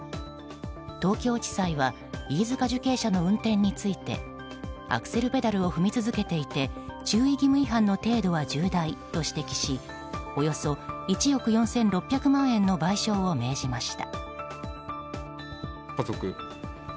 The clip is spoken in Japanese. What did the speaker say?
東京地裁は飯塚受刑者の運転についてアクセルペダルを踏み続けていて注意義務違反の程度は重大と指摘しおよそ１億４６００万円の賠償を命じました。